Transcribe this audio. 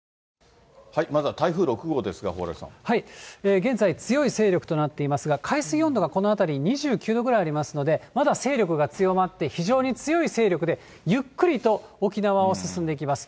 現在、強い勢力となっていますが、海水温度がこの辺り２９度ぐらいありますので、まだ勢力が強まって、非常に強い勢力でゆっくりと沖縄を進んでいきます。